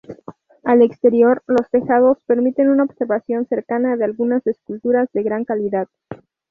Al exterior, los tejados permiten una observación cercana de algunas esculturas de gran calidad.